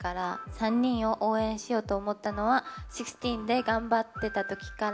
３人を応援しようと思ったのは「ＳＩＸＴＥＥＮ」で頑張ってたときから。